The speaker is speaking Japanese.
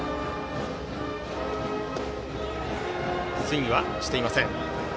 スイングはしていません。